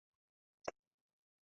zawadi zimenunuliwa kwa wingi